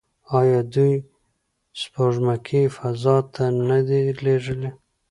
آیا دوی سپوږمکۍ فضا ته نه دي لیږلي؟